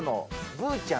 ブーちゃん？